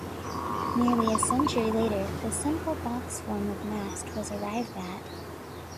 Nearly a century later, the simple box form of mast was arrived at.